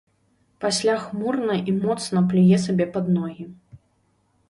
Пасля хмурна і моцна плюе сабе пад ногі.